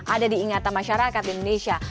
ada diingatan masyarakat di indonesia